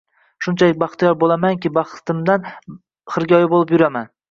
Shunchalik baxtiyor bo`lamanki, baxtimdan xirgoyi qilib yuraman